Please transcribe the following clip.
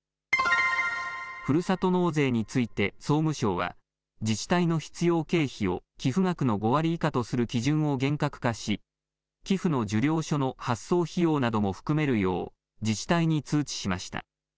ふるさと納税について総務省は、自治体の必要経費を寄付額の５割以下とする基準を厳格化し、寄付の受領書の発送費用なども含めるよう、自治体に通知しました。